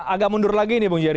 agak mundur lagi nih bung jari